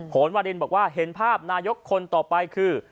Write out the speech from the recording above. โหนวารินบอกว่าเห็นภาพนายกคนต่อไปคือ